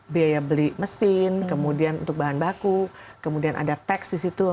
biaya beli mesin kemudian untuk bahan baku kemudian ada tax di situ